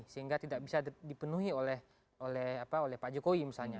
sehingga tidak bisa dipenuhi oleh pak jokowi misalnya